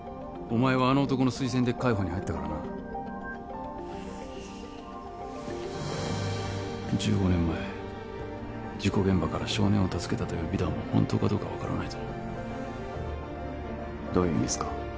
お前はあの男の推薦で海保に入ったからな１５年前事故現場から少年を助けたという美談も本当かどうか分からないぞどういう意味ですか？